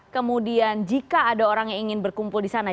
kemudian jika ada orang yang ingin berkumpul di sana